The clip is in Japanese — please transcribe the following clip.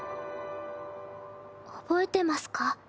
覚えてますか？